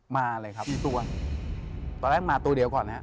มาเลยครับตอนแรกมาตัวเดียวก่อน